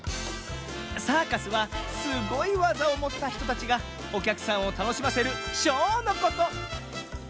サーカスはすごいわざをもったひとたちがおきゃくさんをたのしませるショーのこと。